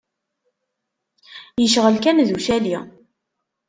Yecɣel kan d ucali.